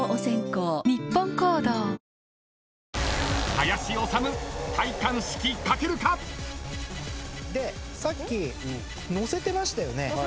［林修「タイカン式」書けるか⁉］でさっきノせてましたよね。